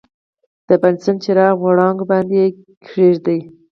د بنسن چراغ وړانګو باندې یې کیږدئ.